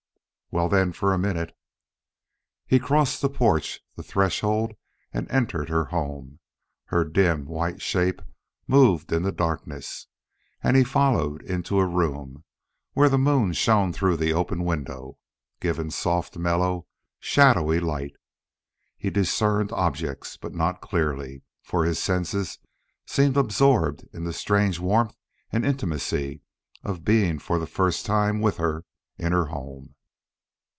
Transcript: "Well, then, for a minute." He crossed the porch, the threshold, and entered her home. Her dim, white shape moved in the darkness. And he followed into a room where the moon shone through the open window, giving soft, mellow, shadowy light. He discerned objects, but not clearly, for his senses seemed absorbed in the strange warmth and intimacy of being for the first time with her in her home.